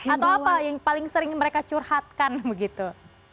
atau apa yang paling sering mereka curhatkan begitu